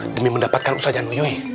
demi mendapatkan usaha januyuy